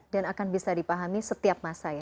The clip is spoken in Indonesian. dan akan bisa dipahami setiap masa ya